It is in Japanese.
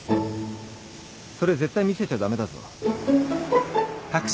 それ絶対見せちゃ駄目だぞ。